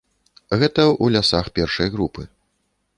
Гэта ў лясах першай групы.